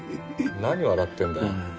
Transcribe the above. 何笑ってんだよ。